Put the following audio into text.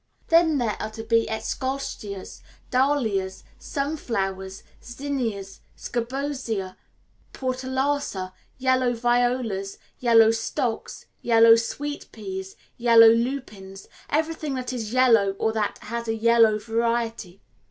Then there are to be eschscholtzias, dahlias, sunflowers, zinnias, scabiosa, portulaca, yellow violas, yellow stocks, yellow sweet peas, yellow lupins everything that is yellow or that has a yellow variety.